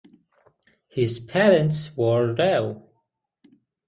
His parents were Rev.